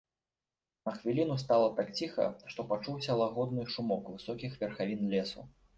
На хвіліну стала так ціха, што пачуўся лагодны шумок высокіх верхавін лесу.